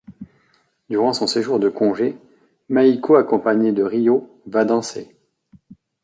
Durant son jour de congé, Maiko accompagnée de Ryô va danser.